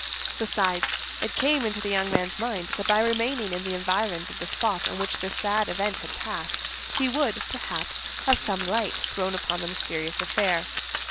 Besides, it came into the young man's mind that by remaining in the environs of the spot on which this sad event had passed, he would, perhaps, have some light thrown upon the mysterious affair.